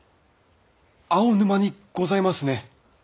青沼にございますね！